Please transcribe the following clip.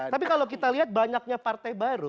tapi kalau kita lihat banyaknya partai baru